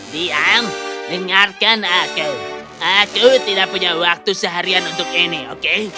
diam dengarkan aku aku tidak punya waktu seharian untuk ini oke